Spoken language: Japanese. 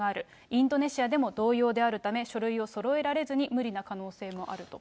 インドネシアでも同様であるため、書類をそろえられずに、無理な可能性もあると。